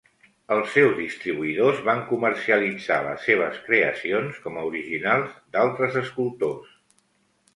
Els seus distribuïdors van comercialitzar les seves creacions com a originals d'altres escultors.